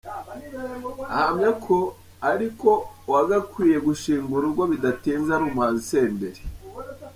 Ahamya ko ariko uwagakwiye gushinga urugo bidatinze ari umuhanzi Senderi.